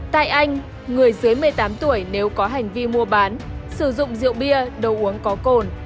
tại anh người dưới một mươi tám tuổi nếu có hành vi mua bán sử dụng rượu bia đồ uống có cồn